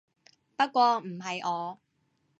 不過唔係我